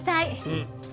うん。